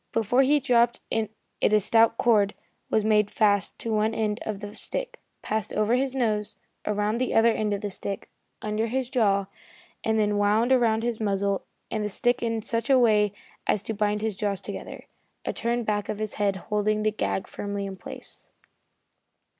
Before he dropped it a stout cord was made fast to one end of the stick, passed over his nose, around the other end of the stick, under his jaw, and then wound around his muzzle and the stick in such a way as to bind his jaws together, a turn back of his head holding the gag firmly in place.